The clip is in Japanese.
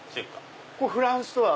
これフランスとは。